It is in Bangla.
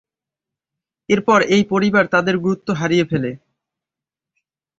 এরপর এই পরিবার তাদের গুরুত্ব হারিয়ে ফেলে।